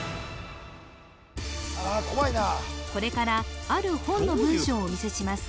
これからある本の文章をお見せします